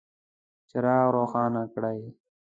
څراغ روښانه کړئ